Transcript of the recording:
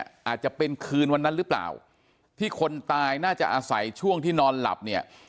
อาจจะเป็นคืนวันนั้นหรือเปล่าที่คนตายน่าจะอาศัยช่วงที่นอนหลับเนี่ย